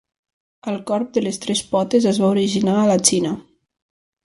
El corb de tres potes es va originar a la Xina.